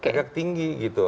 agak tinggi gitu